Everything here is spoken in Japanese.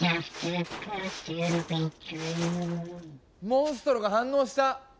モンストロが反応した！